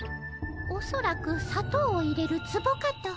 おそらくさとうを入れるツボかと。